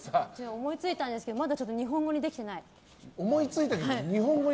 思いついたけど日本語にできてない？